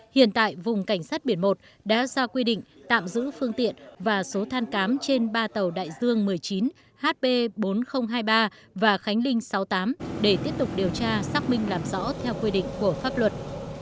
hiện tại vùng cảnh sát biển một đã ra quy định tạm giữ phương tiện và số than cám trên ba tàu đại dương một mươi chín hp bốn nghìn hai mươi ba và khánh linh sáu mươi tám để tiếp tục điều tra xác minh làm rõ theo quy định của pháp luật